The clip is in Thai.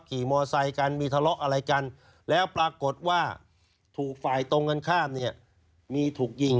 ขี่มอไซค์กันมีทะเลาะอะไรกันแล้วปรากฏว่าถูกฝ่ายตรงกันข้ามเนี่ยมีถูกยิง